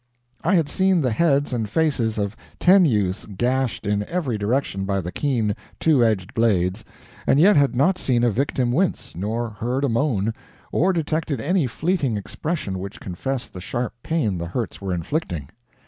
I had seen the heads and faces of ten youths gashed in every direction by the keen two edged blades, and yet had not seen a victim wince, nor heard a moan, or detected any fleeting expression which confessed the sharp pain the hurts were inflicting.